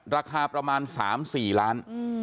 ราคาประมาณ๓๔ล้าน